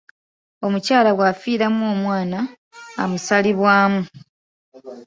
Omukyala bwafiiramu omwana, amusalibwamu.